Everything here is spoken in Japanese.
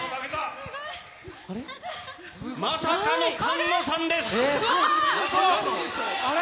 まさかの菅野さんです！